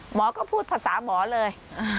หมอก็พูดภาษาหมอเลย